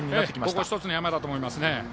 ここ１つの山だと思います。